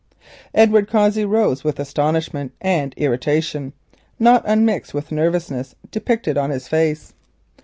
Edward Cossey rose with astonishment and irritation, not unmixed with nervousness, depicted on his face.